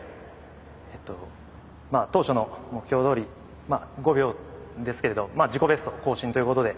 えっと当初の目標どおり５秒ですけれど自己ベスト更新ということで。